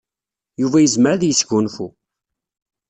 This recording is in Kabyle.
Yuba yezmer ad yesgunfu.